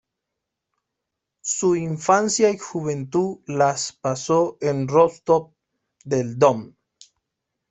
Su infancia y juventud las pasó en Rostov del Don.